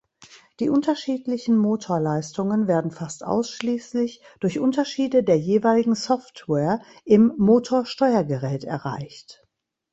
Die unterschiedlichen Motorleistungen werden fast ausschließlich durch Unterschiede der jeweiligen Software im Motorsteuergerät erreicht.